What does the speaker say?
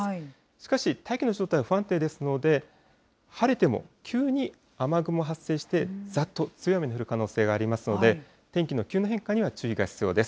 しかし、大気の状態は不安定ですので、晴れても急に雨雲が発生して、ざーっと強い雨が降る可能性がありますので、天気の急な変化には注意が必要です。